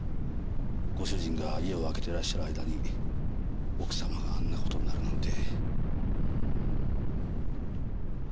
ご主人が家を空けてらっしゃる間に奥様があんな事になるなんて。